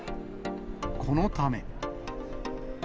このため。